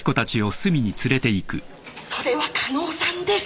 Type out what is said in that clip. それは加納さんです！